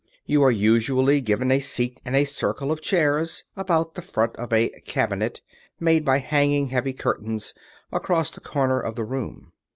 You are usually given a seat in a circle of chairs about the front of a "cabinet" made by hanging heavy curtains across the corner of the room.